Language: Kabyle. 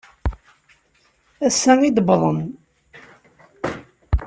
Ass-a i d-wwḍen.